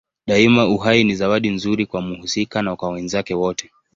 Daima uhai ni zawadi nzuri kwa mhusika na kwa wenzake wote.